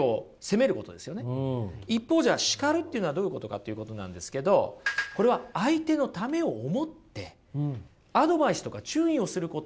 一方じゃ叱るというのはどういうことかっていうことなんですけどこれは相手のためを思ってアドバイスとか注意をすることなんですね。